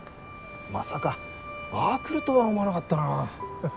まさかああくるとは思わなかったな。